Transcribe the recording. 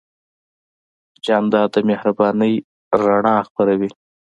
جانداد د مهربانۍ رڼا خپروي.